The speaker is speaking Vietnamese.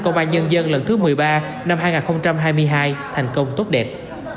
công an nhân dân lần thứ một mươi ba năm hai nghìn hai mươi hai thành công tốt đẹp